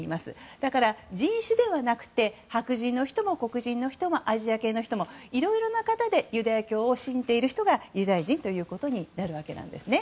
だから人種ではなくて白人の人も黒人の人もアジア系の人もいろいろな方でユダヤ教を信じている人がユダヤ人となるわけなんです。